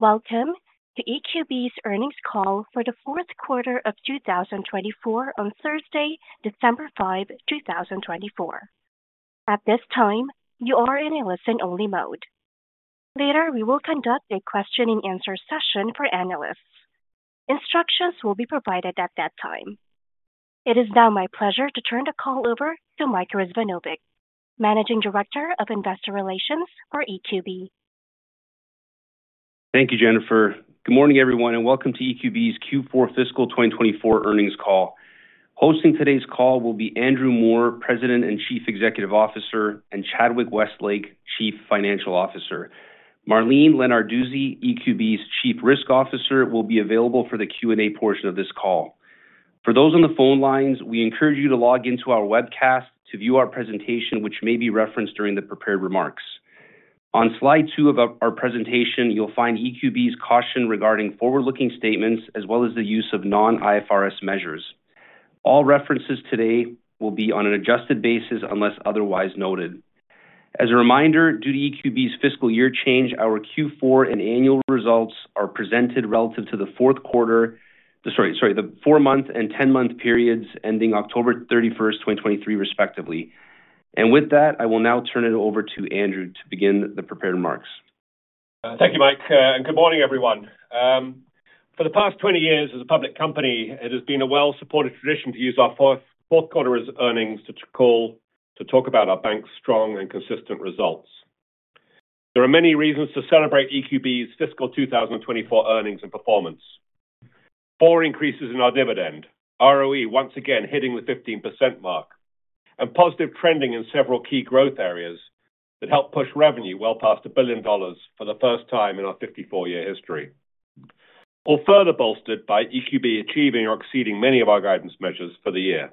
Welcome to EQB's earnings call for the fourth quarter of 2024 on Thursday, December 5, 2024. At this time, you are in a listen-only mode. Later, we will conduct a question-and-answer session for analysts. Instructions will be provided at that time. It is now my pleasure to turn the call over to Mike Rizvanovic, Managing Director of Investor Relations for EQB. Thank you, Jennifer. Good morning, everyone, and welcome to EQB's Q4 Fiscal 2024 earnings call. Hosting today's call will be Andrew Moor, President and Chief Executive Officer, and Chadwick Westlake, Chief Financial Officer. Marlene Lenarduzzi, EQB's Chief Risk Officer, will be available for the Q&A portion of this call. For those on the phone lines, we encourage you to log into our webcast to view our presentation, which may be referenced during the prepared remarks. On slide two of our presentation, you'll find EQB's caution regarding forward-looking statements, as well as the use of non-IFRS measures. All references today will be on an adjusted basis unless otherwise noted. As a reminder, due to EQB's fiscal year change, our Q4 and annual results are presented relative to the fourth quarter, the four-month and 10-month periods ending October 31, 2023, respectively. With that, I will now turn it over to Andrew to begin the prepared remarks. Thank you, Mike. And good morning, everyone. For the past 20 years, as a public company, it has been a well-supported tradition to use our fourth quarter earnings to talk about our bank's strong and consistent results. There are many reasons to celebrate EQB's fiscal 2024 earnings and performance: four increases in our dividend, ROE once again hitting the 15% mark, and positive trending in several key growth areas that help push revenue well past $1 billion for the first time in our 54-year history, all further bolstered by EQB achieving or exceeding many of our guidance measures for the year.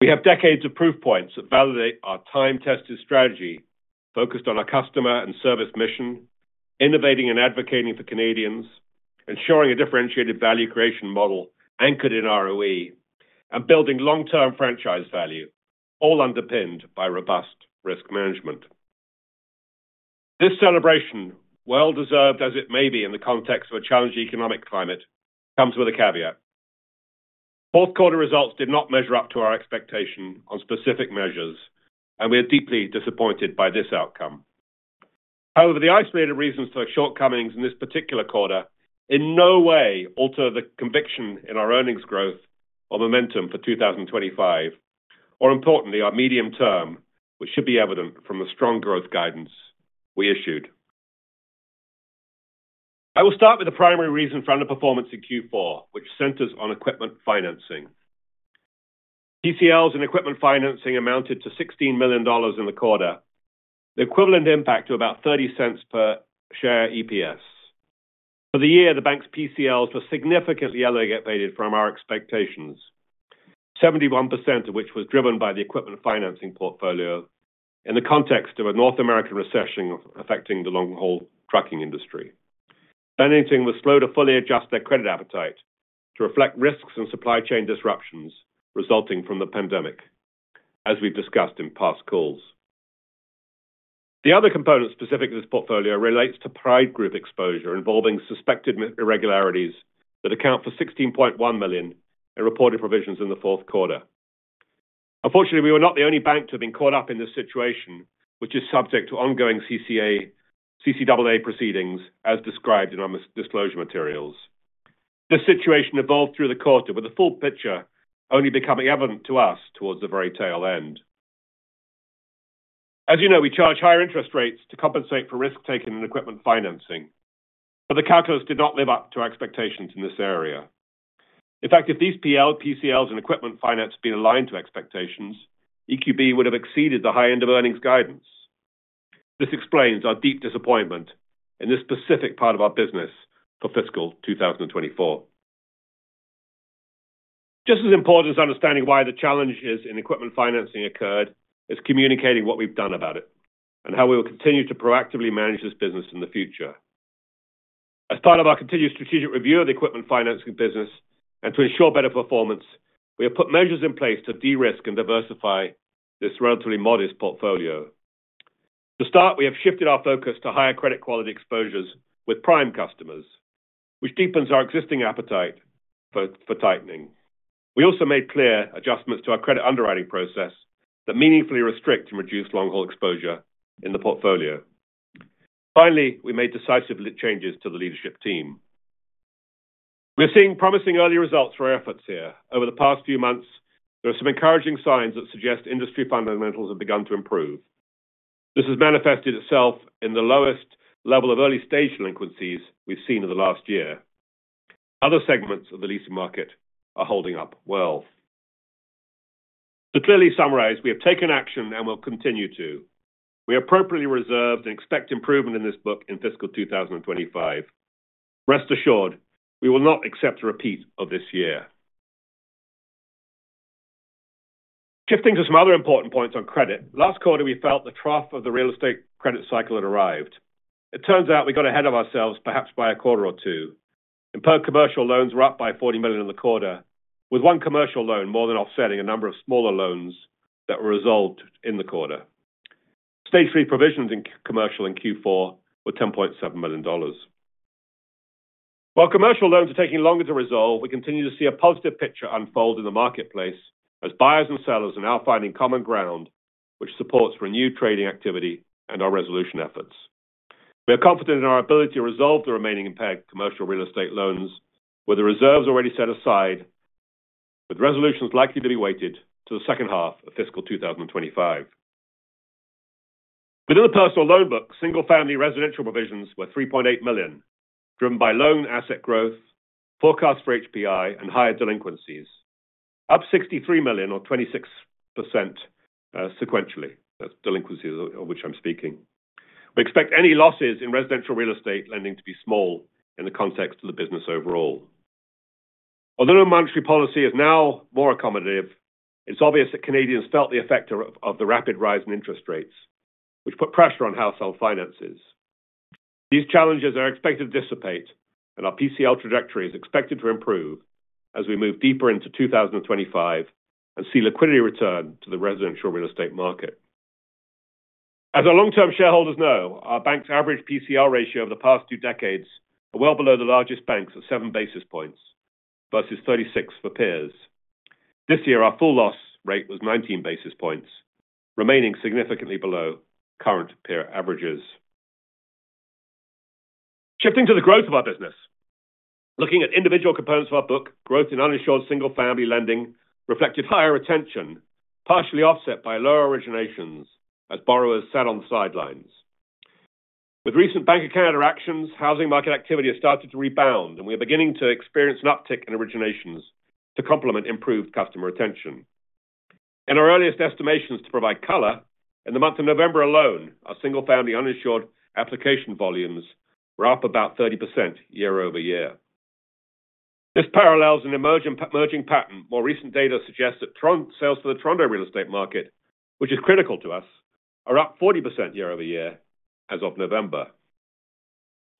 We have decades of proof points that validate our time-tested strategy focused on our customer and service mission, innovating and advocating for Canadians, ensuring a differentiated value creation model anchored in ROE, and building long-term franchise value, all underpinned by robust risk management. This celebration, well-deserved as it may be in the context of a challenging economic climate, comes with a caveat. Fourth-quarter results did not measure up to our expectation on specific measures, and we are deeply disappointed by this outcome. However, the isolated reasons for shortcomings in this particular quarter in no way alter the conviction in our earnings growth or momentum for 2025, or, importantly, our medium term, which should be evident from the strong growth guidance we issued. I will start with the primary reason for underperformance in Q4, which centers on equipment financing. PCLs in equipment financing amounted to 16 million dollars in the quarter, the equivalent impact to about 0.30 per share EPS. For the year, the bank's PCLs were significantly elevated from our expectations, 71% of which was driven by the equipment financing portfolio in the context of a North American recession affecting the long-haul trucking industry. Financiers was slow to fully adjust their credit appetite to reflect risks and supply chain disruptions resulting from the pandemic, as we've discussed in past calls. The other component specific to this portfolio relates to Pride Group exposure involving suspected irregularities that account for 16.1 million in reported provisions in the fourth quarter. Unfortunately, we were not the only bank to have been caught up in this situation, which is subject to ongoing CCAA proceedings as described in our disclosure materials. This situation evolved through the quarter, with the full picture only becoming evident to us towards the very tail end. As you know, we charge higher interest rates to compensate for risk taken in equipment financing, but the calculus did not live up to expectations in this area. In fact, if these PCLs and equipment finance had been aligned to expectations, EQB would have exceeded the high end of earnings guidance. This explains our deep disappointment in this specific part of our business for fiscal 2024. Just as important as understanding why the challenges in equipment financing occurred is communicating what we've done about it and how we will continue to proactively manage this business in the future. As part of our continued strategic review of the equipment financing business and to ensure better performance, we have put measures in place to de-risk and diversify this relatively modest portfolio. To start, we have shifted our focus to higher credit quality exposures with prime customers, which deepens our existing appetite for tightening. We also made clear adjustments to our credit underwriting process that meaningfully restrict and reduce long-haul exposure in the portfolio. Finally, we made decisive changes to the leadership team. We are seeing promising early results for our efforts here. Over the past few months, there are some encouraging signs that suggest industry fundamentals have begun to improve. This has manifested itself in the lowest level of early-stage delinquencies we've seen in the last year. Other segments of the leasing market are holding up well. To clearly summarize, we have taken action and will continue to. We are appropriately reserved and expect improvement in this book in fiscal 2025. Rest assured, we will not accept a repeat of this year. Shifting to some other important points on credit, last quarter we felt the trough of the real estate credit cycle had arrived. It turns out we got ahead of ourselves perhaps by a quarter or two. In commercial, loans were up by 40 million in the quarter, with one commercial loan more than offsetting a number of smaller loans that were resolved in the quarter. Stage 3 provisions in commercial in Q4 were 10.7 million dollars. While commercial loans are taking longer to resolve, we continue to see a positive picture unfold in the marketplace as buyers and sellers are now finding common ground, which supports renewed trading activity and our resolution efforts. We are confident in our ability to resolve the remaining impact of commercial real estate loans, with the reserves already set aside, with resolutions likely to be weighted to the second half of fiscal 2025. Within the personal loan book, single-family residential provisions were 3.8 million, driven by loan asset growth, forecast for HPI, and higher delinquencies, up 63 million, or 26% sequentially, delinquencies of which I'm speaking. We expect any losses in residential real estate lending to be small in the context of the business overall. Although the monetary policy is now more accommodative, it's obvious that Canadians felt the effect of the rapid rise in interest rates, which put pressure on household finances. These challenges are expected to dissipate, and our PCL trajectory is expected to improve as we move deeper into 2025 and see liquidity return to the residential real estate market. As our long-term shareholders know, our bank's average PCL ratio over the past two decades is well below the largest bank's of seven basis points versus 36 for peers. This year, our full-year loss rate was 19 basis points, remaining significantly below current peer averages. Shifting to the growth of our business, looking at individual components of our book, growth in uninsured single-family lending reflected higher retention, partially offset by lower originations as borrowers sat on the sidelines. With recent Bank of Canada actions, housing market activity has started to rebound, and we are beginning to experience an uptick in originations to complement improved customer retention. In our earliest estimations to provide color, in the month of November alone, our single-family uninsured application volumes were up about 30% year over year. This parallels an emerging pattern. More recent data suggests that sales for the Toronto real estate market, which is critical to us, are up 40% year over year as of November.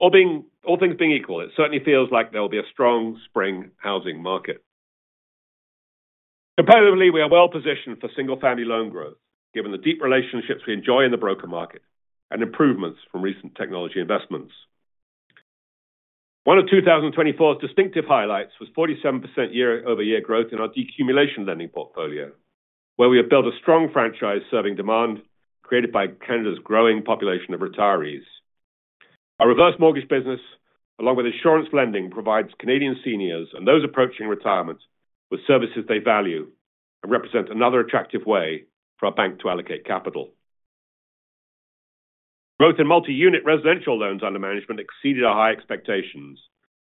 All things being equal, it certainly feels like there will be a strong spring housing market. Comparatively, we are well positioned for single-family loan growth, given the deep relationships we enjoy in the broker market and improvements from recent technology investments. One of 2024's distinctive highlights was 47% year-over-year growth in our decumulation lending portfolio, where we have built a strong franchise serving demand created by Canada's growing population of retirees. Our reverse mortgage business, along with insurance lending, provides Canadian seniors and those approaching retirement with services they value and represent another attractive way for our bank to allocate capital. Growth in multi-unit residential loans under management exceeded our high expectations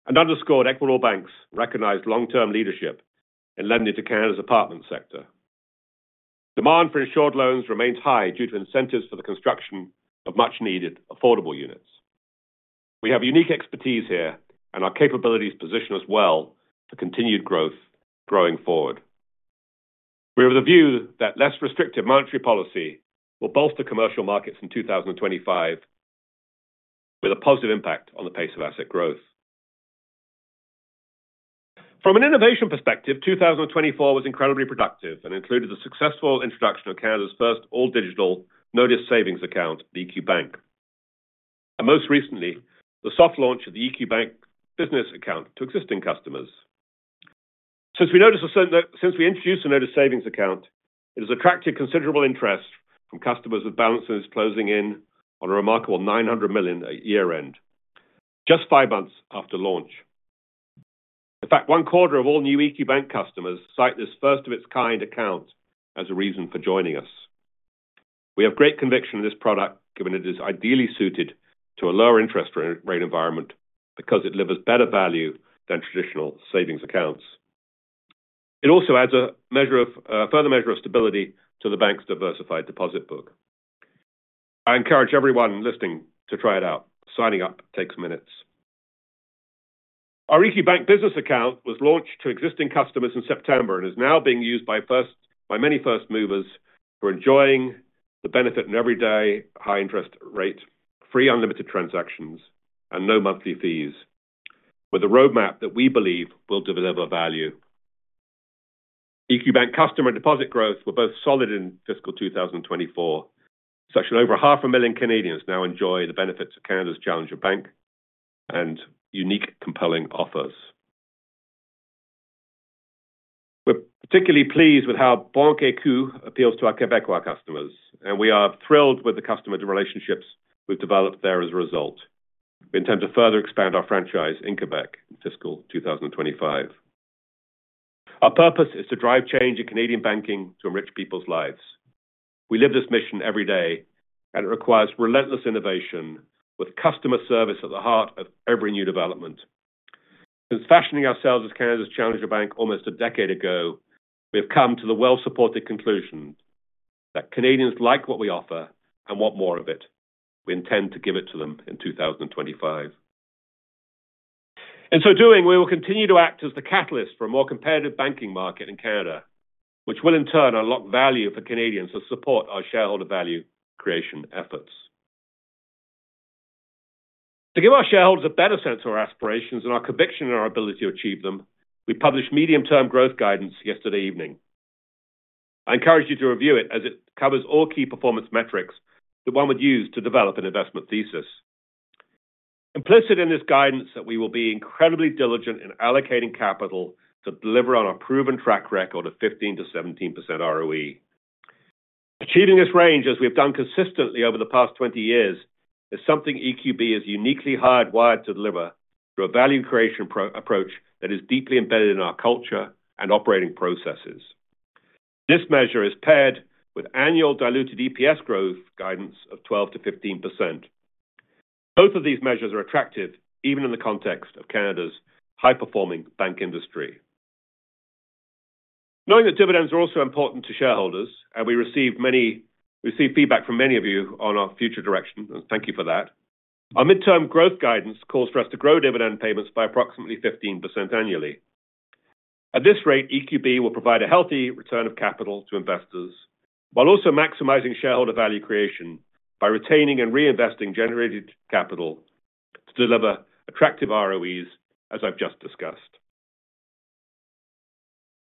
and underscored Equitable Bank's recognized long-term leadership in lending to Canada's apartment sector. Demand for insured loans remains high due to incentives for the construction of much-needed affordable units. We have unique expertise here, and our capabilities position us well for continued growth going forward. We are of the view that less restrictive monetary policy will bolster commercial markets in 2025, with a positive impact on the pace of asset growth. From an innovation perspective, 2024 was incredibly productive and included the successful introduction of Canada's first all-digital Notice Savings Account, the EQ Bank, and most recently, the soft launch of the EQ Bank Business Account to existing customers. Since we introduced the Notice Savings Account, it has attracted considerable interest from customers with balances closing in on a remarkable 900 million year-end, just five months after launch. In fact, one quarter of all new EQ Bank customers cite this first-of-its-kind account as a reason for joining us. We have great conviction in this product, given it is ideally suited to a lower interest rate environment because it delivers better value than traditional savings accounts. It also adds a further measure of stability to the bank's diversified deposit book. I encourage everyone listening to try it out. Signing up takes minutes. Our EQ Bank Business Account was launched to existing customers in September and is now being used by many first movers who are enjoying the benefit of an everyday high-interest rate, free unlimited transactions, and no monthly fees, with a roadmap that we believe will deliver value. EQ Bank customer deposit growth was both solid in fiscal 2024, such that over 500,000 Canadians now enjoy the benefits of Canada's challenger bank and unique compelling offers. We're particularly pleased with how our bank account appeals to our Québécois customers, and we are thrilled with the customer relationships we've developed there as a result in terms of further expanding our franchise in Quebec in fiscal 2025. Our purpose is to drive change in Canadian banking to enrich people's lives. We live this mission every day, and it requires relentless innovation with customer service at the heart of every new development. Since fashioning ourselves as Canada's challenger bank almost a decade ago, we have come to the well-supported conclusion that Canadians like what we offer and want more of it. We intend to give it to them in 2025. In so doing, we will continue to act as the catalyst for a more competitive banking market in Canada, which will in turn unlock value for Canadians to support our shareholder value creation efforts. To give our shareholders a better sense of our aspirations and our conviction in our ability to achieve them, we published medium-term growth guidance yesterday evening. I encourage you to review it as it covers all key performance metrics that one would use to develop an investment thesis. Implicit in this guidance that we will be incredibly diligent in allocating capital to deliver on our proven track record of 15%-17% ROE. Achieving this range, as we have done consistently over the past 20 years, is something EQB is uniquely hardwired to deliver through a value creation approach that is deeply embedded in our culture and operating processes. This measure is paired with annual diluted EPS growth guidance of 12%-15%. Both of these measures are attractive even in the context of Canada's high-performing bank industry. Knowing that dividends are also important to shareholders, and we receive feedback from many of you on our future direction, and thank you for that, our midterm growth guidance calls for us to grow dividend payments by approximately 15% annually. At this rate, EQB will provide a healthy return of capital to investors while also maximizing shareholder value creation by retaining and reinvesting generated capital to deliver attractive ROEs, as I've just discussed.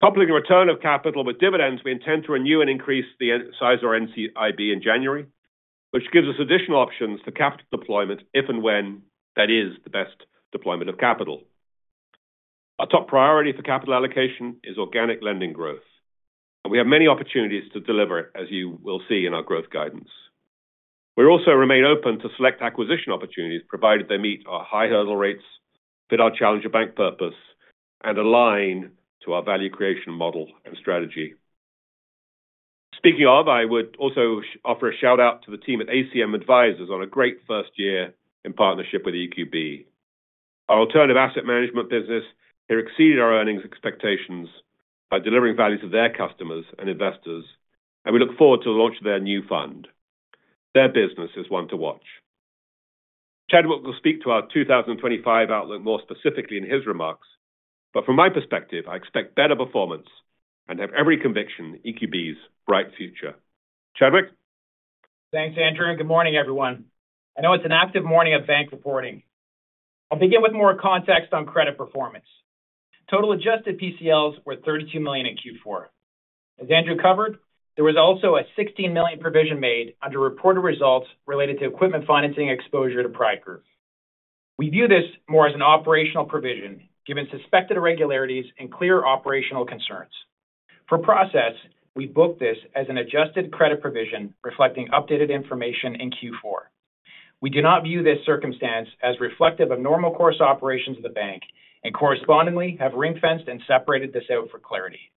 Coupling the return of capital with dividends, we intend to renew and increase the size of our NCIB in January, which gives us additional options for capital deployment if and when that is the best deployment of capital. Our top priority for capital allocation is organic lending growth, and we have many opportunities to deliver it, as you will see in our growth guidance. We also remain open to select acquisition opportunities, provided they meet our high hurdle rates, fit our challenger bank purpose, and align to our value creation model and strategy. Speaking of, I would also offer a shout-out to the team at ACM Advisors on a great first year in partnership with EQB. Our alternative asset management business here exceeded our earnings expectations by delivering value to their customers and investors, and we look forward to the launch of their new fund. Their business is one to watch. Chadwick will speak to our 2025 outlook more specifically in his remarks, but from my perspective, I expect better performance and have every conviction EQB's bright future. Chadwick? Thanks, Andrew. Good morning, everyone. I know it's an active morning of bank reporting. I'll begin with more context on credit performance. Total adjusted PCLs were 32 million in Q4. As Andrew covered, there was also a 16 million provision made under reported results related to equipment financing exposure to Pride Group. We view this more as an operational provision, given suspected irregularities and clear operational concerns. For process, we book this as an adjusted credit provision reflecting updated information in Q4. We do not view this circumstance as reflective of normal course operations of the bank and correspondingly have ring-fenced and separated this out for clarity.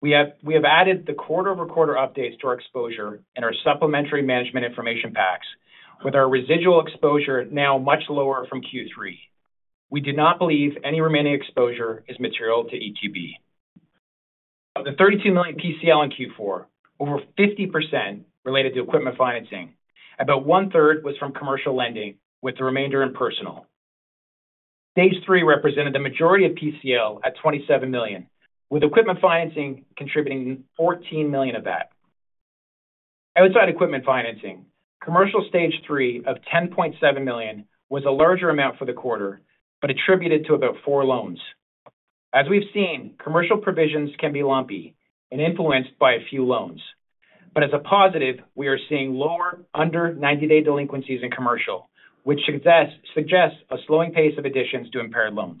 We have added the quarter-over-quarter updates to our exposure in our supplementary management information packs, with our residual exposure now much lower from Q3. We do not believe any remaining exposure is material to EQB. Of the 32 million PCL in Q4, over 50% related to equipment financing. About one-third was from commercial lending, with the remainder in personal. Stage 3 represented the majority of PCL at 27 million, with equipment financing contributing 14 million of that. Outside equipment financing, commercial Stage 3 of 10.7 million was a larger amount for the quarter but attributed to about four loans. As we've seen, commercial provisions can be lumpy and influenced by a few loans. But as a positive, we are seeing lower under 90-day delinquencies in commercial, which suggests a slowing pace of additions to impaired loans.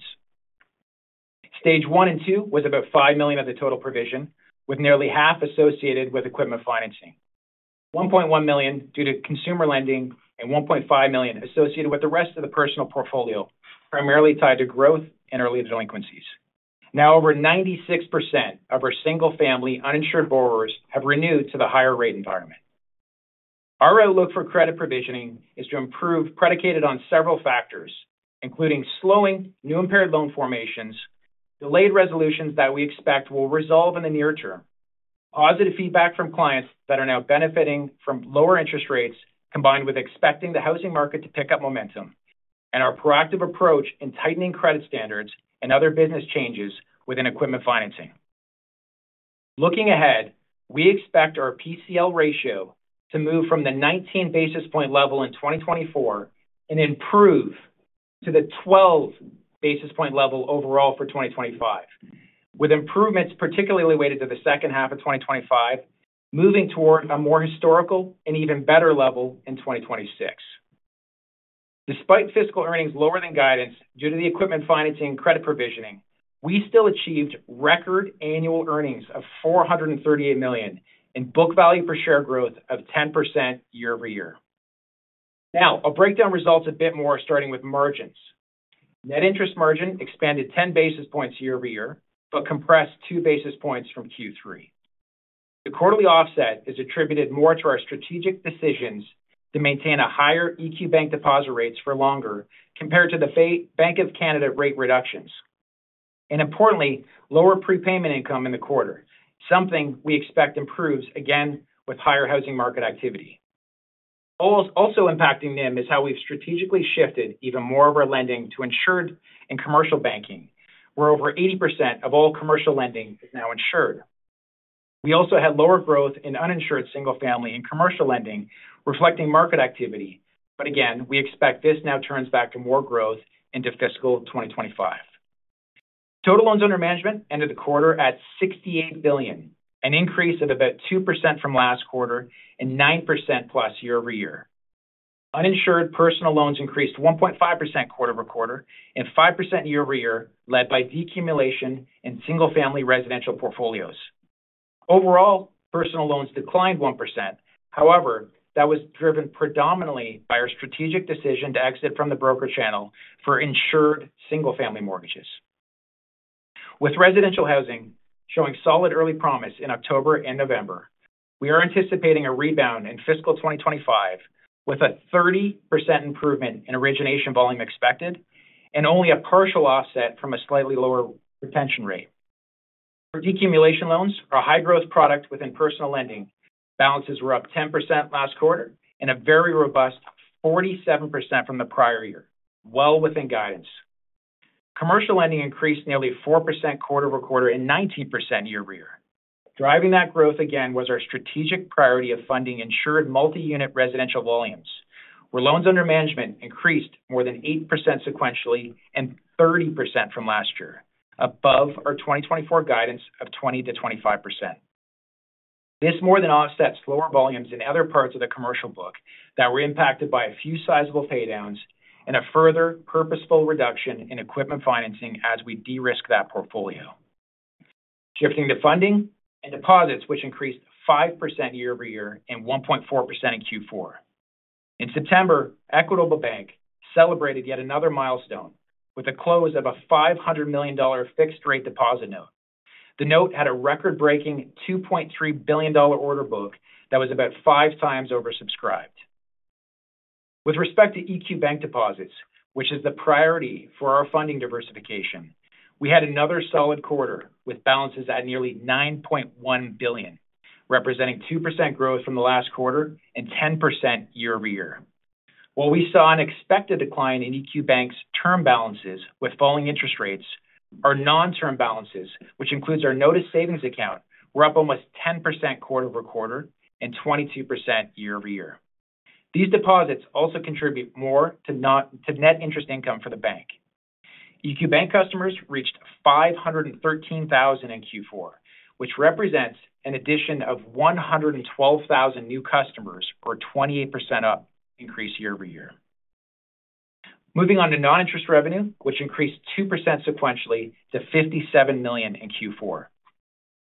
Stage 1 and 2 was about 5 million of the total provision, with nearly half associated with equipment financing, 1.1 million due to consumer lending, and 1.5 million associated with the rest of the personal portfolio, primarily tied to growth and early delinquencies. Now, over 96% of our single-family uninsured borrowers have renewed to the higher rate environment. Our outlook for credit provisioning is to improve predicated on several factors, including slowing new impaired loan formations, delayed resolutions that we expect will resolve in the near term, positive feedback from clients that are now benefiting from lower interest rates combined with expecting the housing market to pick up momentum, and our proactive approach in tightening credit standards and other business changes within equipment financing. Looking ahead, we expect our PCL ratio to move from the 19 basis point level in 2024 and improve to the 12 basis point level overall for 2025, with improvements particularly related to the second half of 2025 moving toward a more historical and even better level in 2026. Despite fiscal earnings lower than guidance due to the equipment financing and credit provisioning, we still achieved record annual earnings of 438 million and book value per share growth of 10% year-over-year. Now, I'll break down results a bit more, starting with margins. Net interest margin expanded 10 basis points year-over-year but compressed two basis points from Q3. The quarterly offset is attributed more to our strategic decisions to maintain higher EQ Bank deposit rates for longer compared to the Bank of Canada rate reductions and, importantly, lower prepayment income in the quarter, something we expect improves again with higher housing market activity. Also impacting them is how we've strategically shifted even more of our lending to insured and commercial banking, where over 80% of all commercial lending is now insured. We also had lower growth in uninsured single-family and commercial lending, reflecting market activity. But again, we expect this now turns back to more growth into fiscal 2025. Total loans under management ended the quarter at 68 billion, an increase of about 2% from last quarter and 9% plus year-over-year. Uninsured personal loans increased 1.5% quarter-over-quarter and 5% year-over-year, led by decumulation in single-family residential portfolios. Overall, personal loans declined 1%. However, that was driven predominantly by our strategic decision to exit from the broker channel for insured single-family mortgages. With residential housing showing solid early promise in October and November, we are anticipating a rebound in fiscal 2025 with a 30% improvement in origination volume expected and only a partial offset from a slightly lower retention rate. Decumulation loans are a high-growth product within personal lending. Balances were up 10% last quarter and a very robust 47% from the prior year, well within guidance. Commercial lending increased nearly 4% quarter-over-quarter and 19% year-over-year. Driving that growth again was our strategic priority of funding insured multi-unit residential volumes, where loans under management increased more than 8% sequentially and 30% from last year, above our 2024 guidance of 20%-25%. This more than offsets lower volumes in other parts of the commercial book that were impacted by a few sizable paydowns and a further purposeful reduction in equipment financing as we de-risk that portfolio. Shifting to funding and deposits, which increased 5% year-over-year and 1.4% in Q4. In September, Equitable Bank celebrated yet another milestone with a close of a 500 million dollar fixed-rate deposit note. The note had a record-breaking 2.3 billion dollar order book that was about five times oversubscribed. With respect to EQ Bank deposits, which is the priority for our funding diversification, we had another solid quarter with balances at nearly 9.1 billion, representing 2% growth from the last quarter and 10% year-over-year. While we saw an expected decline in EQ Bank's term balances with falling interest rates, our non-term balances, which includes our notice savings account, were up almost 10% quarter-over-quarter and 22% year-over-year. These deposits also contribute more to net interest income for the bank. EQ Bank customers reached 513,000 in Q4, which represents an addition of 112,000 new customers, or 28% up increase year-over-year. Moving on to non-interest revenue, which increased 2% sequentially to 57 million in Q4.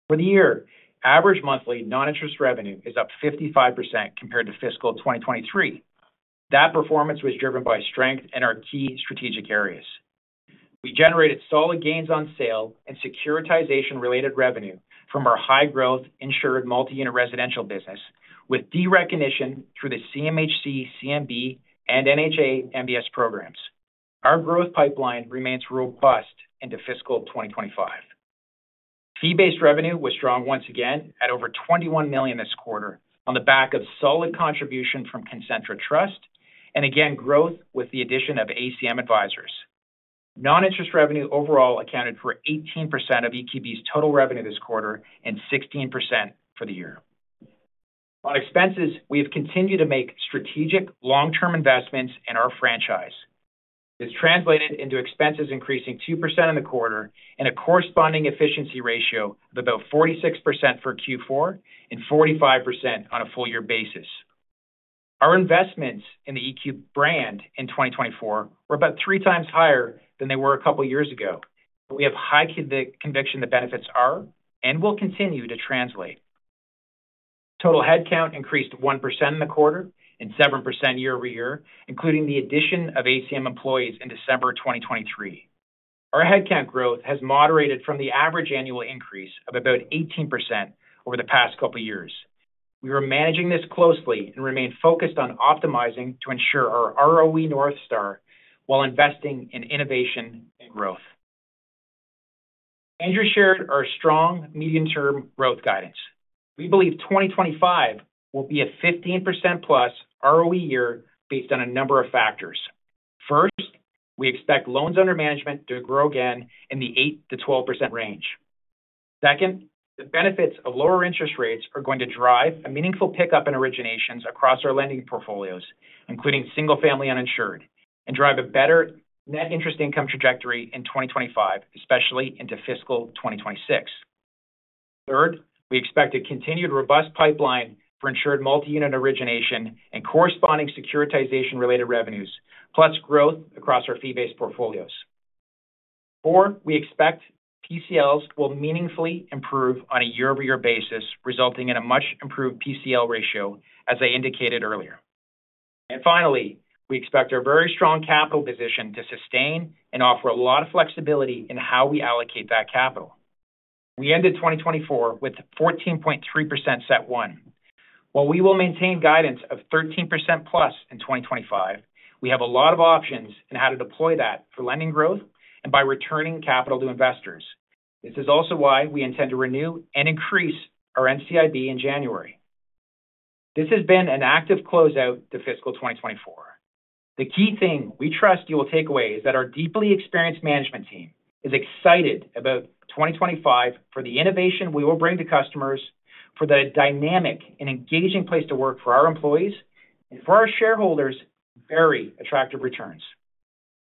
For the year, average monthly non-interest revenue is up 55% compared to fiscal 2023. That performance was driven by strength and our key strategic areas. We generated solid gains on sale and securitization-related revenue from our high-growth insured multi-unit residential business, with derecognition through the CMHC, CMB, and NHA MBS programs. Our growth pipeline remains robust into fiscal 2025. Fee-based revenue was strong once again at over 21 million this quarter on the back of solid contribution from Concentra Trust and again growth with the addition of ACM Advisors. Non-interest revenue overall accounted for 18% of EQB's total revenue this quarter and 16% for the year. On expenses, we have continued to make strategic long-term investments in our franchise. This translated into expenses increasing 2% in the quarter and a corresponding efficiency ratio of about 46% for Q4 and 45% on a full-year basis. Our investments in the EQ Brand in 2024 were about three times higher than they were a couple of years ago. We have high conviction the benefits are and will continue to translate. Total headcount increased 1% in the quarter and 7% year-over-year, including the addition of ACM employees in December 2023. Our headcount growth has moderated from the average annual increase of about 18% over the past couple of years. We are managing this closely and remain focused on optimizing to ensure our ROE North Star while investing in innovation and growth. Andrew shared our strong medium-term growth guidance. We believe 2025 will be a 15% plus ROE year based on a number of factors. First, we expect loans under management to grow again in the 8%-12% range. Second, the benefits of lower interest rates are going to drive a meaningful pickup in originations across our lending portfolios, including single-family uninsured, and drive a better net interest income trajectory in 2025, especially into fiscal 2026. Third, we expect a continued robust pipeline for insured multi-unit origination and corresponding securitization-related revenues, plus growth across our fee-based portfolios. Four, we expect PCLs will meaningfully improve on a year-over-year basis, resulting in a much-improved PCL ratio, as I indicated earlier. Finally, we expect our very strong capital position to sustain and offer a lot of flexibility in how we allocate that capital. We ended 2024 with 14.3% CET1. While we will maintain guidance of 13% plus in 2025, we have a lot of options in how to deploy that for lending growth and by returning capital to investors. This is also why we intend to renew and increase our NCIB in January. This has been an active closeout to fiscal 2024. The key thing we trust you will take away is that our deeply experienced management team is excited about 2025 for the innovation we will bring to customers, for the dynamic and engaging place to work for our employees, and for our shareholders, very attractive returns.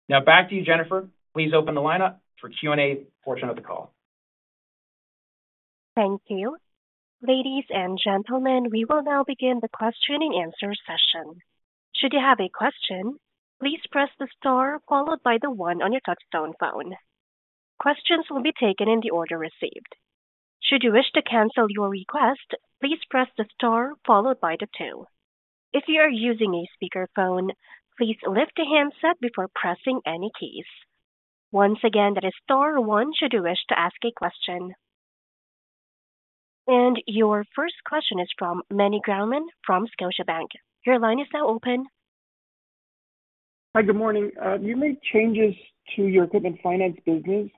Now, back to you, Jennifer. Please open the lineup for Q&A portion of the call. Thank you. Ladies and gentlemen, we will now begin the question and answer session. Should you have a question, please press the star followed by the one on your touch-tone phone. Questions will be taken in the order received. Should you wish to cancel your request, please press the star followed by the two. If you are using a speakerphone, please lift the handset before pressing any keys. Once again, that is star one should you wish to ask a question. And your first question is from Meny Grauman from Scotiabank. Your line is now open. Hi, good morning. You made changes to your equipment finance business.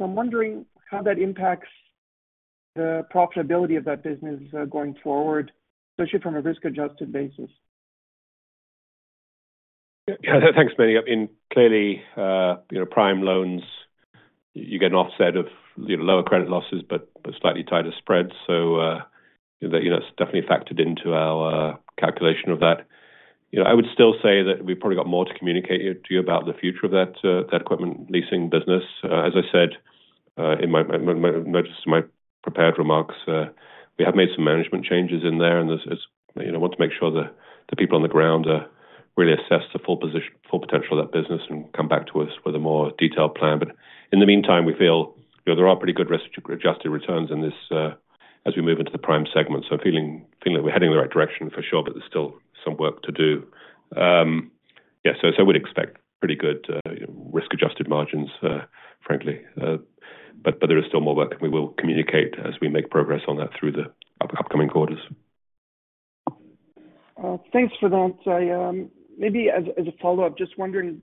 I'm wondering how that impacts the profitability of that business going forward, especially from a risk-adjusted basis. Yeah, thanks, Meny. I mean, clearly, prime loans, you get an offset of lower credit losses but slightly tighter spreads. So that's definitely factored into our calculation of that. I would still say that we've probably got more to communicate to you about the future of that equipment leasing business. As I said in my prepared remarks, we have made some management changes in there, and I want to make sure that the people on the ground really assess the full potential of that business and come back to us with a more detailed plan. But in the meantime, we feel there are pretty good risk-adjusted returns as we move into the prime segment. So I'm feeling that we're heading in the right direction for sure, but there's still some work to do. Yeah, so we'd expect pretty good risk-adjusted margins, frankly. But there is still more work, and we will communicate as we make progress on that through the upcoming quarters. Thanks for that. Maybe as a follow-up, just wondering,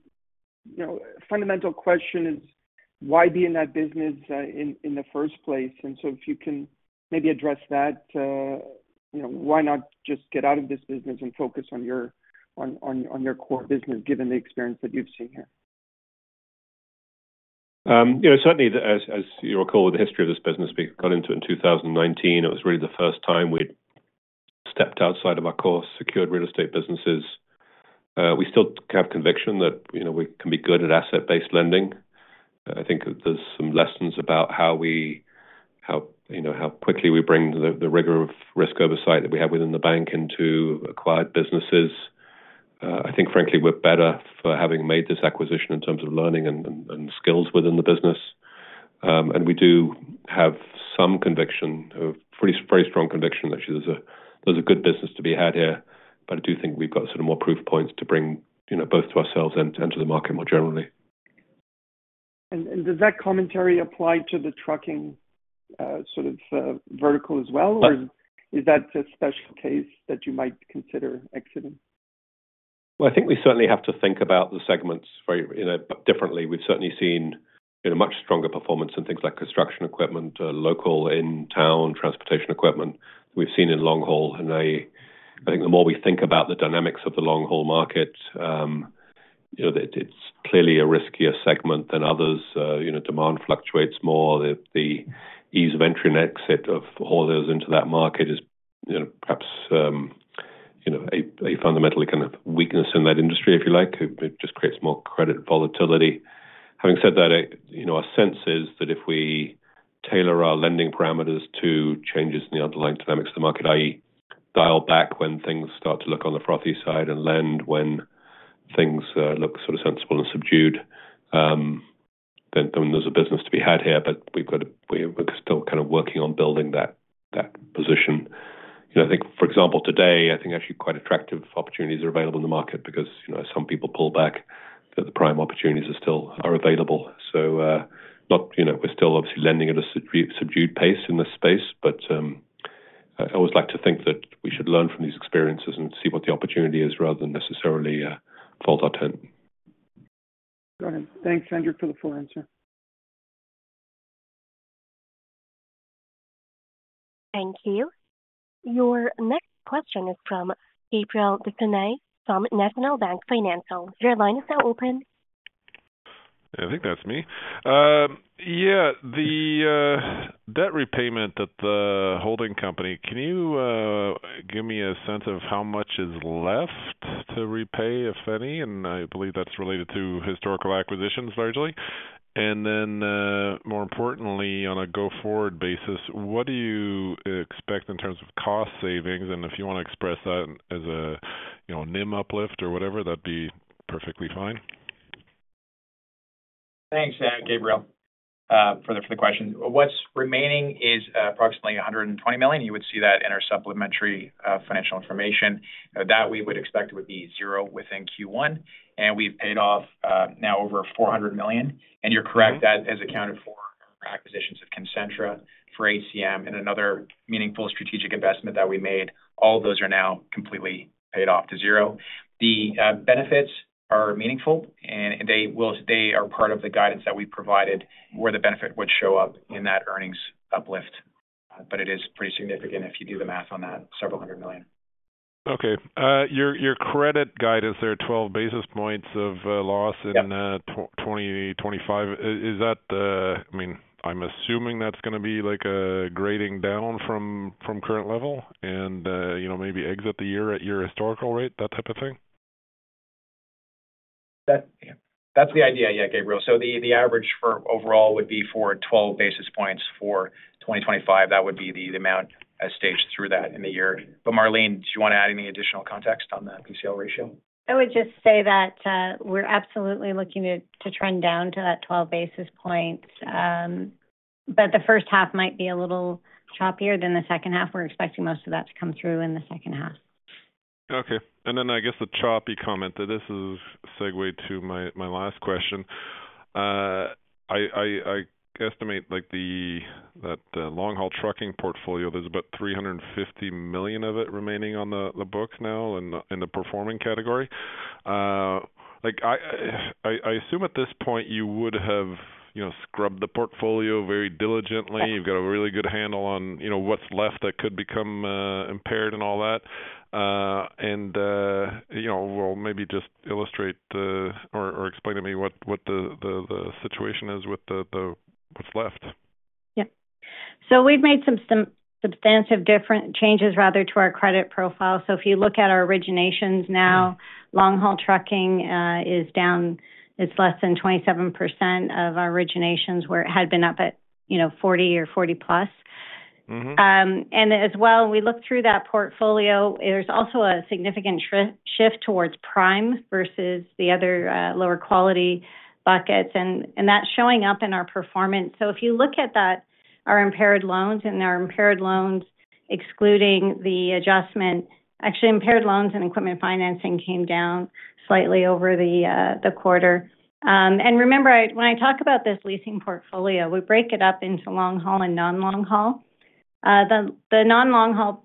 fundamental question is why be in that business in the first place? And so if you can maybe address that, why not just get out of this business and focus on your core business given the experience that you've seen here? Certainly, as you recall, the history of this business, we got into it in 2019. It was really the first time we'd stepped outside of our core secured real estate businesses. We still have conviction that we can be good at asset-based lending. I think there's some lessons about how quickly we bring the rigor of risk oversight that we have within the bank into acquired businesses. I think, frankly, we're better for having made this acquisition in terms of learning and skills within the business. And we do have some conviction, a very strong conviction that there's a good business to be had here. I do think we've got sort of more proof points to bring both to ourselves and to the market more generally. Does that commentary apply to the trucking sort of vertical as well, or is that a special case that you might consider exiting? I think we certainly have to think about the segments differently. We've certainly seen much stronger performance in things like construction equipment, local in-town transportation equipment that we've seen in long haul. I think the more we think about the dynamics of the long haul market, it's clearly a riskier segment than others. Demand fluctuates more. The ease of entry and exit of haulers into that market is perhaps a fundamentally kind of weakness in that industry, if you like, who just creates more credit volatility. Having said that, our sense is that if we tailor our lending parameters to changes in the underlying dynamics of the market, i.e., dial back when things start to look on the frothy side and lend when things look sort of sensible and subdued, then there's a business to be had here. But we're still kind of working on building that position. I think, for example, today, I think actually quite attractive opportunities are available in the market because some people pull back that the prime opportunities are still available. So we're still obviously lending at a subdued pace in this space, but I always like to think that we should learn from these experiences and see what the opportunity is rather than necessarily fault our turn. Go ahead. Thanks, Andrew, for the full answer. Thank you. Your next question is from Gabriel Dechaine from National Bank Financial. Your line is now open. I think that's me. Yeah, the debt repayment at the holding company, can you give me a sense of how much is left to repay, if any, and I believe that's related to historical acquisitions largely, and then, more importantly, on a go-forward basis, what do you expect in terms of cost savings, and if you want to express that as a NIM uplift or whatever, that'd be perfectly fine. Thanks, Gabriel, for the question. What's remaining is approximately 120 million. You would see that in our supplementary financial information, that we would expect would be zero within Q1, and we've paid off now over 400 million, and you're correct that has accounted for acquisitions of Concentra for ACM and another meaningful strategic investment that we made. All of those are now completely paid off to zero. The benefits are meaningful, and they are part of the guidance that we've provided where the benefit would show up in that earnings uplift. But it is pretty significant if you do the math on that, several hundred million. Okay. Your credit guidance, is there 12 basis points of loss in 2025? I mean, I'm assuming that's going to be like a gliding down from current level and maybe exit the year at your historical rate, that type of thing? That's the idea, yeah, Gabriel. So the average overall would be for 12 basis points for 2025. That would be the amount as staged throughout that in the year. But Marlene, do you want to add any additional context on the PCL ratio? I would just say that we're absolutely looking to trend down to that 12 basis points. But the first half might be a little choppier than the second half. We're expecting most of that to come through in the second half. Okay. And then I guess the choppy comment, this is a segue to my last question. I estimate that the long haul trucking portfolio, there's about 350 million of it remaining on the book now in the performing category. I assume at this point you would have scrubbed the portfolio very diligently. You've got a really good handle on what's left that could become impaired and all that. And maybe just illustrate or explain to me what the situation is with what's left. Yeah. So we've made some substantive changes rather to our credit profile. So if you look at our originations now, long haul trucking is down. It's less than 27% of our originations where it had been up at 40 or 40 plus. And as well, we looked through that portfolio. There's also a significant shift towards prime versus the other lower quality buckets, and that's showing up in our performance. So if you look at our impaired loans and our impaired loans excluding the adjustment, actually, impaired loans and equipment financing came down slightly over the quarter. And remember, when I talk about this leasing portfolio, we break it up into long haul and non-long haul. The non-long haul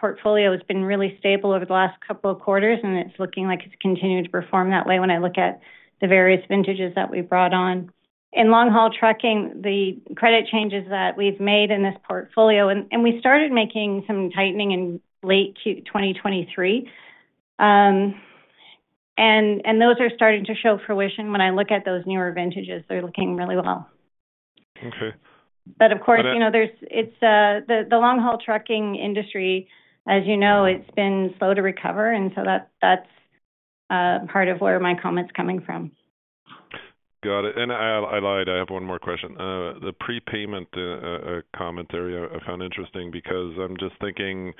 portfolio has been really stable over the last couple of quarters, and it's looking like it's continued to perform that way when I look at the various vintages that we brought on. In long haul trucking, the credit changes that we've made in this portfolio, and we started making some tightening in late 2023. And those are starting to show fruition when I look at those newer vintages. They're looking really well. Okay. But of course, it's the long haul trucking industry, as you know. It's been slow to recover. And so that's part of where my comment's coming from. Got it. And I lied. I have one more question. The prepayment commentary I found interesting because I'm just thinking,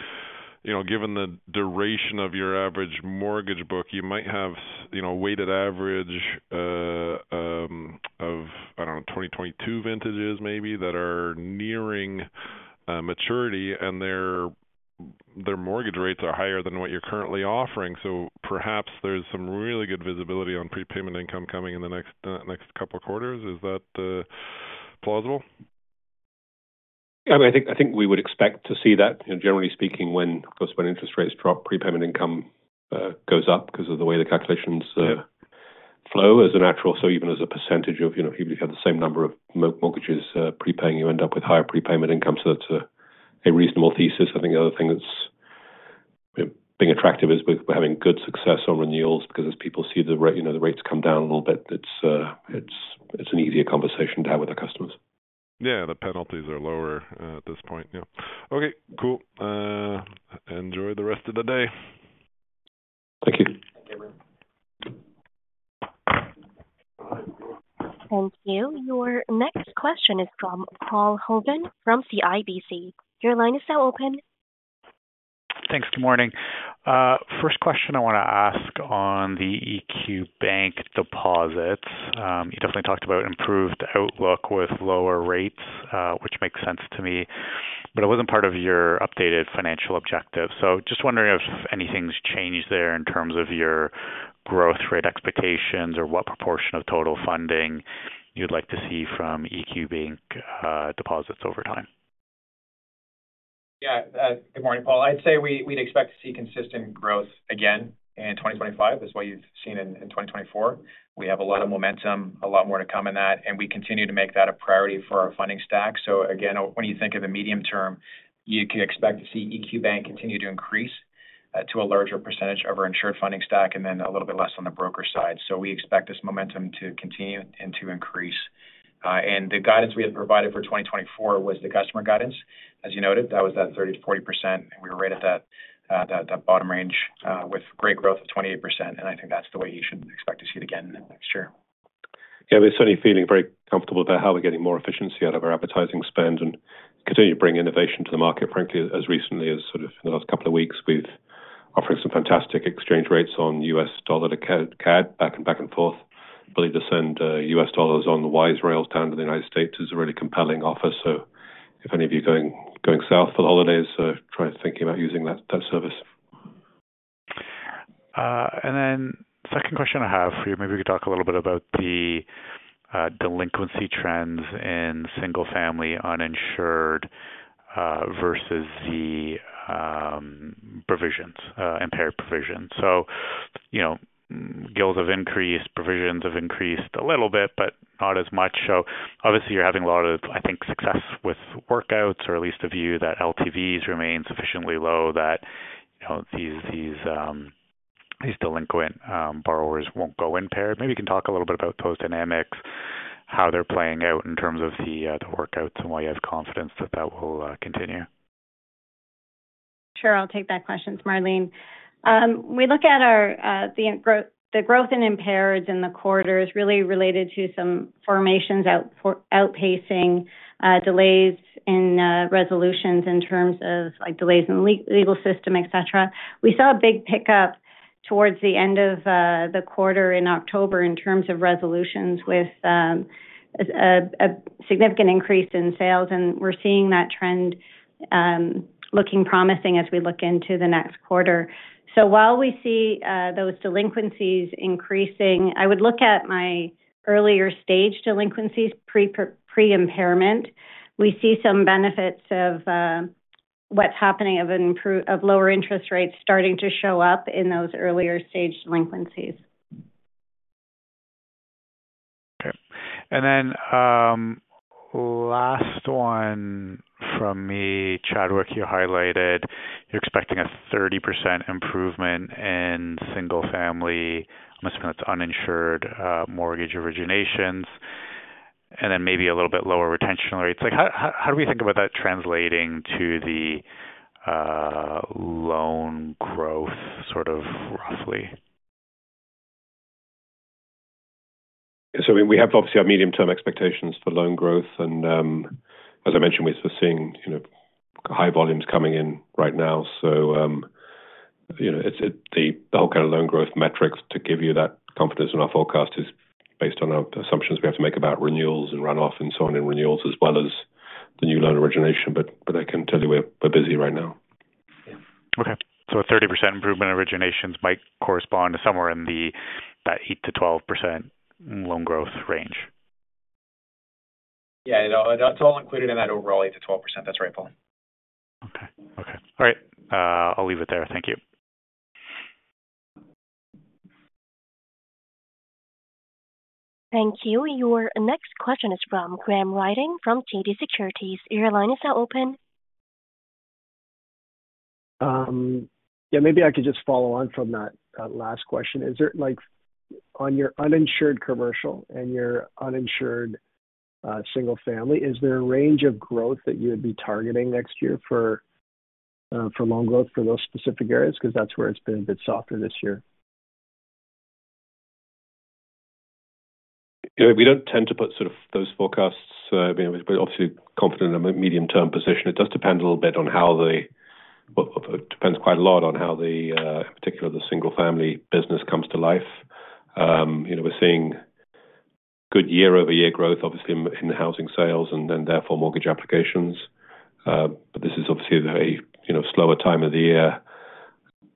given the duration of your average mortgage book, you might have weighted average of, I don't know, 2022 vintages maybe that are nearing maturity, and their mortgage rates are higher than what you're currently offering. So perhaps there's some really good visibility on prepayment income coming in the next couple of quarters. Is that plausible? I mean, I think we would expect to see that, generally speaking, when interest rates drop, prepayment income goes up because of the way the calculations flow as a natural. So even as a percentage of people who have the same number of mortgages prepaying, you end up with higher prepayment income. So that's a reasonable thesis. I think the other thing that's being attractive is having good success on renewals because as people see the rates come down a little bit, it's an easier conversation to have with our customers. Yeah, the penalties are lower at this point. Yeah. Okay. Cool. Enjoy the rest of the day. Thank you. Thank you. Your next question is from Paul Holden from CIBC. Your line is now open. Thanks. Good morning. First question I want to ask on the EQ Bank deposits. You definitely talked about improved outlook with lower rates, which makes sense to me, but it wasn't part of your updated financial objective. So just wondering if anything's changed there in terms of your growth rate expectations or what proportion of total funding you'd like to see from EQ Bank deposits over time? Yeah. Good morning, Paul. I'd say we'd expect to see consistent growth again in 2025. That's what you've seen in 2024. We have a lot of momentum, a lot more to come in that, and we continue to make that a priority for our funding stack. So again, when you think of the medium term, you can expect to see EQ Bank continue to increase to a larger percentage of our insured funding stack and then a little bit less on the broker side. So we expect this momentum to continue and to increase. And the guidance we had provided for 2024 was the customer guidance. As you noted, that was that 30%-40%, and we were right at that bottom range with great growth of 28%. I think that's the way you should expect to see it again next year. Yeah, we're certainly feeling very comfortable about how we're getting more efficiency out of our advertising spend and continue to bring innovation to the market. Frankly, as recently as sort of in the last couple of weeks, we've offered some fantastic exchange rates on USD to CAD back and forth. I believe to send USD on the Wise rails down to the United States is a really compelling offer. So if any of you going south for the holidays, try thinking about using that service. And then, second question I have for you, maybe we could talk a little bit about the delinquency trends in single-family uninsured versus the impaired provisions. So, delinquencies have increased, provisions have increased a little bit, but not as much. So obviously, you're having a lot of, I think, success with workouts, or at least a view that LTVs remain sufficiently low that these delinquent borrowers won't go impaired. Maybe you can talk a little bit about those dynamics, how they're playing out in terms of the workouts and why you have confidence that that will continue. Sure. I'll take that question, Marlene. We look at the growth in impaireds in the quarters really related to some formations outpacing delays in resolutions in terms of delays in the legal system, etc. We saw a big pickup towards the end of the quarter in October in terms of resolutions with a significant increase in sales, and we're seeing that trend looking promising as we look into the next quarter, so while we see those delinquencies increasing, I would look at my earlier stage delinquencies, pre-impairment. We see some benefits of what's happening of lower interest rates starting to show up in those earlier stage delinquencies. Okay, and then last one from me, Chadwick, you highlighted you're expecting a 30% improvement in single-family uninsured mortgage originations and then maybe a little bit lower retention rates. How do we think about that translating to the loan growth sort of roughly? So we have obviously our medium-term expectations for loan growth, and as I mentioned, we're still seeing high volumes coming in right now. So the whole kind of loan growth metrics to give you that confidence in our forecast is based on our assumptions we have to make about renewals and runoff and so on in renewals as well as the new loan origination. But I can tell you we're busy right now. Yeah. Okay. So a 30% improvement in originations might correspond to somewhere in that 8%-12% loan growth range. Yeah. It's all included in that overall 8%-12%. That's right, Paul. Okay. Okay. All right. I'll leave it there. Thank you. Thank you. Your next question is from Graham Ryding from TD Securities. Your line is now open. Yeah. Maybe I could just follow on from that last question. On your uninsured commercial and your uninsured single-family, is there a range of growth that you would be targeting next year for loan growth for those specific areas? Because that's where it's been a bit softer this year. We don't tend to put sort of those forecasts. We're obviously confident in a medium-term position. It does depend a little bit on how it depends quite a lot on how, in particular, the single-family business comes to life. We're seeing good year-over-year growth, obviously, in housing sales and therefore mortgage applications. But this is obviously a slower time of the year.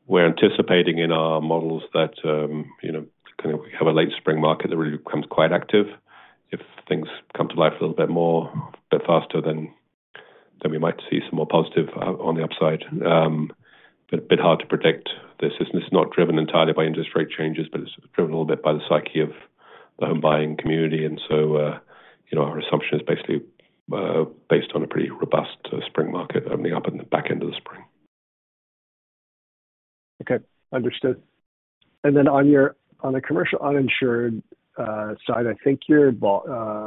We're anticipating in our models that kind of, we have a late spring market that really becomes quite active. If things come to life a little bit more faster than we might see some more positive on the upside. But a bit hard to predict. This is not driven entirely by interest rate changes, but it's driven a little bit by the psyche of the home buying community, and so our assumption is basically based on a pretty robust spring market opening up at the back end of the spring. Okay. Understood, and then on the commercial uninsured side, I think your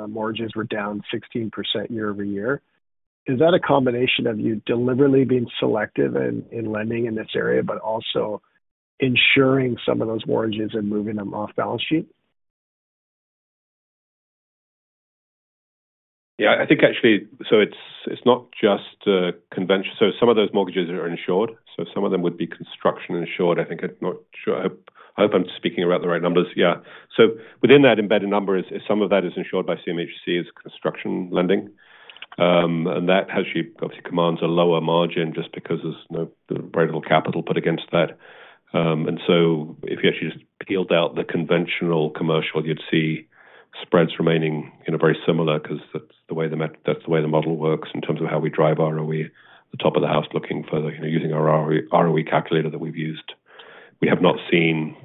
mortgages were down 16% year over year. Is that a combination of you deliberately being selective in lending in this area, but also insuring some of those mortgages and moving them off balance sheet? Yeah. I think actually, so it's not just conventional, so some of those mortgages are insured, so some of them would be construction insured. I think I'm not sure. I hope I'm speaking about the right numbers. Yeah, so within that embedded number, some of that is insured by CMHC, it's construction lending. That actually obviously commands a lower margin just because there's very little capital put against that. And so if you actually just peeled out the conventional commercial, you'd see spreads remaining very similar because that's the way the model works in terms of how we drive ROE. The top of the house looking for using our ROE calculator that we've used. We have not seen